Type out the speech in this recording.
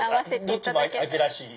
どっちも秋らしい？